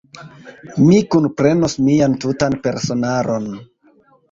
Mi kunprenos mian tutan personaron.